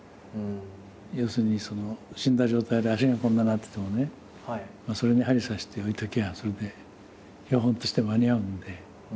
要するに死んだ状態で脚がこんななっててもねそれに針刺して置いときゃそれで標本として間に合うので。